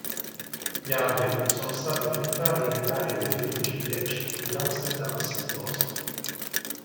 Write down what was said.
Gli alberi sono stati piantati nell'area dei fiori di ciliegi nell'Amsterdamse Bos.